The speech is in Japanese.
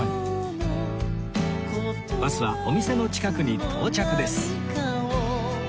バスはお店の近くに到着です！